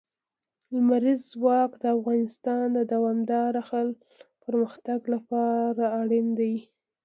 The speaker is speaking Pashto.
لمریز ځواک د افغانستان د دوامداره پرمختګ لپاره اړین دي.